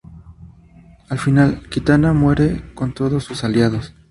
Al final, Kitana muere con todos sus aliados.